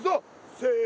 せの。